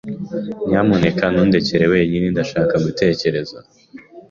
Nyamuneka nundekere wenyine. Ndashaka gutekereza.